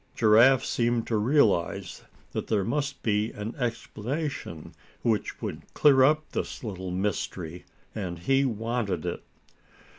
Giraffe seemed to realize that there must be an explanation which would clear up this little mystery, and he wanted it.